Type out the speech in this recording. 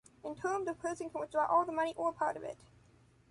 In term, the person can withdraw all the money or part of it.